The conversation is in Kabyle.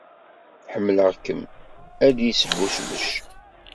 Ḥemmleɣ-kem, ay d-yesbucbec.